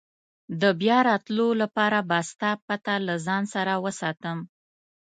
د بیا راتلو لپاره به ستا پته له ځان سره وساتم.